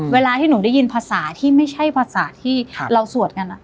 เวลาที่หนูได้ยินภาษาที่ไม่ใช่ภาษาที่เราสวดกัน